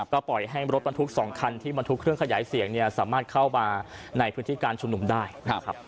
ก็ปล่อยให้รถบรรทุก๒คันที่บรรทุกเครื่องขยายเสียงเนี่ยสามารถเข้ามาในพื้นที่การชุมนุมได้นะครับ